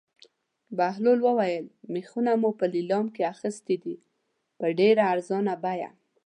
بهلول وویل: مېخونه مو په لېلام کې اخیستي دي په ډېره ارزانه بیه.